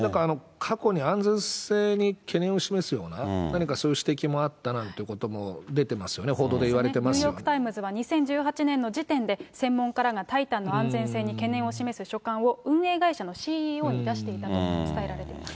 過去に安全性に懸念を示すような、何かそういう指摘もあったなんていうことも出てますよね、ニューヨーク・タイムズは、２０１８年の時点で、専門家らがタイタンの安全性に懸念を示す書簡を、運営会社のＣＥＯに出していたと伝えられています。